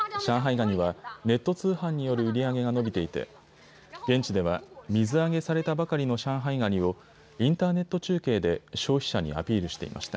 ガニはネット通販による売り上げが伸びていて現地では水揚げされたばかりの上海ガニをインターネット中継で消費者にアピールしていました。